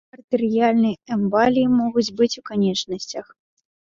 Артэрыяльнай эмбаліі могуць быць у канечнасцях.